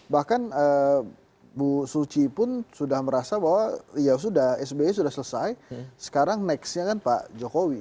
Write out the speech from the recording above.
bahkan bu suci pun sudah merasa bahwa ya sudah sbi sudah selesai sekarang nextnya kan pak jokowi